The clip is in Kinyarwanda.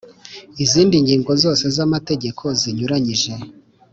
izindi ngingo zose z’amategeko ziranyuranyije.